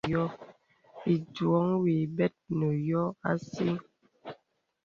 Ìdùŋùhə wì bɛt nə yô asìɛ.